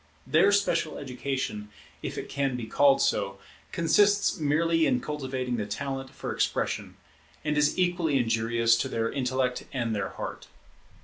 Their special education, if it can be called so, consists merely in cultivating the talent for expression, and is equally injurious to their intellect and their heart.